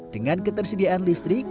dengan ketersediaan listrik